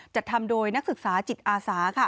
จัดทำโดยนักศึกษาจิตอาสา